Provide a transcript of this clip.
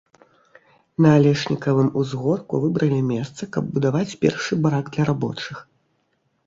На алешнікавым узгорку выбралі месца, каб будаваць першы барак для рабочых.